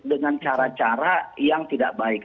dengan cara cara yang tidak baik